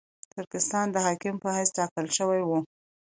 ترکستان د حاکم په حیث ټاکل شوی وو.